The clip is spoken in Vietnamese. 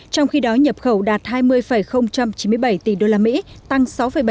trong khi đó nhập khẩu đạt hai mươi chín mươi bảy tỷ đô la mỹ tăng sáu bảy